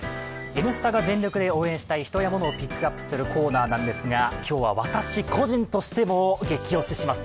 「Ｎスタ」が全力で応援したい人やものをピックアップする「ゲキ推しさん」なんですが、今日は私個人としてもゲキ推しします。